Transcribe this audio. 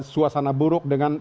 suasana buruk dengan